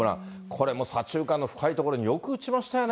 これも左中間の深い所によく打ちましたよね。